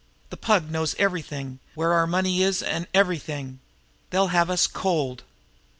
The Pug knows everything, where our money is, an' everything. They'll have us cold!"